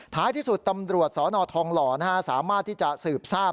ท้ายที่สุดตำรวจสนทองหล่อสามารถที่จะสืบทราบ